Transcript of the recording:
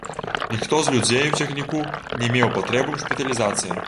Ніхто з людзей у цягніку не меў патрэбы ў шпіталізацыі.